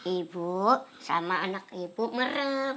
ibu sama anak ibu merem